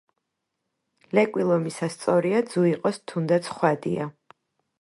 ლეკვი ლომისა სწორია ძუ იყოს თუნდაც ხვადია.